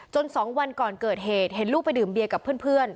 ๒วันก่อนเกิดเหตุเห็นลูกไปดื่มเบียร์กับเพื่อน